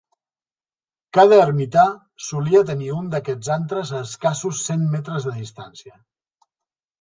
Cada ermità solia tenir un d'aquests antres a escassos cent metres de distància.